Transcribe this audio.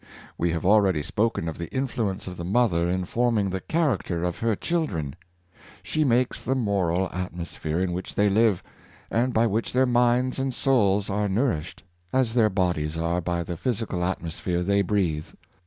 We have already spoken of the influence of the mother in forming the character of her children. She makes the moral at mosphere in which they live, and by which their 'minds and souls are nourished, as their bodies are by the physical atmosphere they breathe.